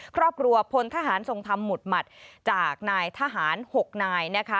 ครอบครัวพลทหารทรงธรรมหมุดหมัดจากนายทหารหกนายนะคะ